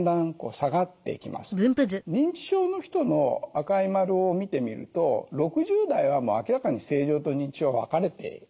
認知症の人の赤い丸を見てみると６０代はもう明らかに正常と認知症が分かれています。